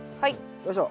よいしょ。